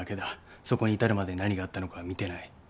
そこに至るまでに何があったのかは見てない。